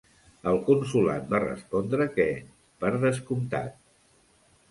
El Consolat va respondre que "per descomptat".